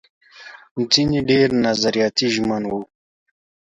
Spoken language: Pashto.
ځينې ډېر نظریاتي ژمن وو.